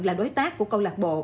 là đối tác của câu lạc bộ